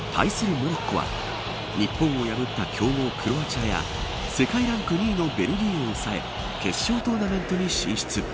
モロッコは日本を破った強豪クロアチアや世界ランク２位のベルギーを抑え決勝トーナメントに進出。